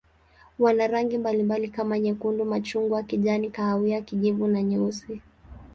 Wana rangi mbalimbali kama nyekundu, machungwa, kijani, kahawia, kijivu na nyeusi.